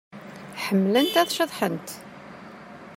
Ḥemmlent ad ceḍḥent.